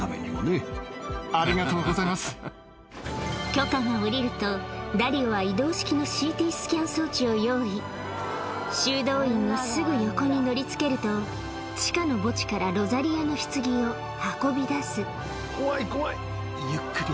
許可が下りるとダリオはを用意修道院のすぐ横に乗りつけると地下の墓地からロザリアの棺を運び出す